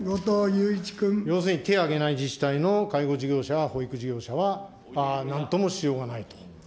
要するに、手あげない自治体の介護事業者、保育事業者はなんともしようがないと。